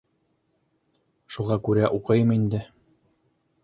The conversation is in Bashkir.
Шуға күрә уҡыйым инде.